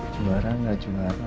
juara gak juara